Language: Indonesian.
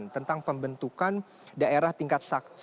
tentang pembentukan daerah tingkat